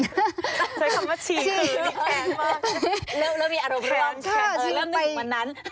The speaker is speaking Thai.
ใช้คำว่าฉี่คือมีแปลงมากเริ่มมีอารมณ์เริ่มมีอีกวันนั้น